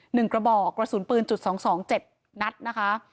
หนึ่งกระบอกกระสุนปืนจุด๒๒๗นัดนะคะ